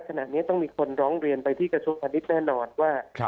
ขณะนี้ต้องมีคนร้องเรียนไปที่กระทรวงพาณิชย์แน่นอนว่า